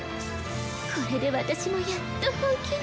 これで私もやっと本気に。